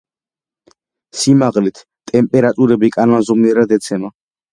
სიმაღლით ტემპერატურები კანონზომიერად ეცემა.